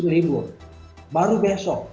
limbur baru besok